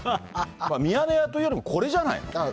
ミヤネ屋というよりも、これじゃないの？